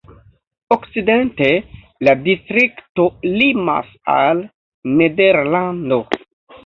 Okcidente la distrikto limas al Nederlando.